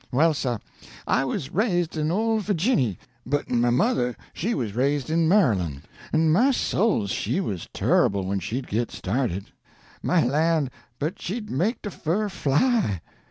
"Well, sah, I was raised in ole Fo'ginny, but my mother she was raised in Maryland; an' my SOULS! she was turrible when she'd git started! My LAN! but she'd make de fur fly!